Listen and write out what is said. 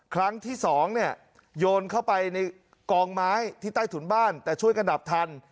ครั้งที่สองเนี่ยโยนเข้าไปในกองไม้ที่ใต้ถุนบ้านแต่ช่วยกันดับทัน